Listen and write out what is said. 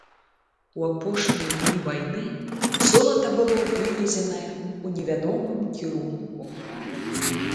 У апошнія дні вайны золата было вывезенае ў невядомым кірунку.